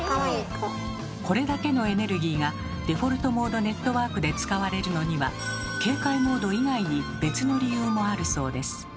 これだけのエネルギーがデフォルトモードネットワークで使われるのには警戒モード以外に別の理由もあるそうです。